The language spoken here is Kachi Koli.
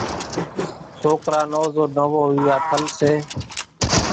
سوڪرا نو زو نوو ويوا ٿل سي،